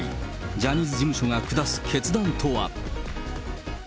ジャニーズ事務所が下す決断とは。